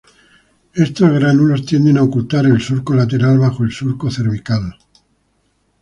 Estos gránulos tienden a ocultar el surco lateral bajo el surco cervical.